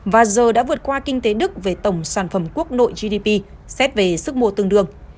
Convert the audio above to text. và giờ đã vượt qua kinh tế đức về tổng sản phẩm quốc nội gdp xét về sức mua tương đương